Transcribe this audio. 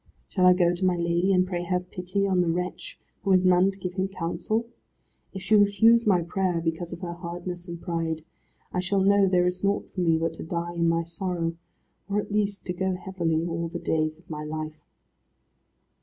Shall I go to my lady, and pray her pity on the wretch who has none to give him counsel? If she refuse my prayer, because of her hardness and pride, I shall know there is nought for me but to die in my sorrow, or, at least, to go heavily all the days of my life."